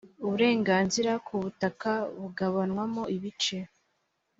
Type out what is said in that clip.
uburenganzira ku butaka bugabanywamo ibice